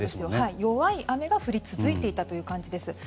弱い雨が降り続いていたという感じです。